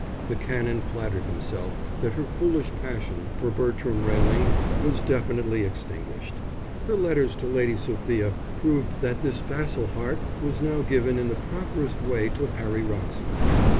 The Canon flattered himself that her foolish passion for Bertram Railing was definitely extinguished. Her letters to Lady Sophia proved that this facile heart was now given in the properest way to Harry Wroxham.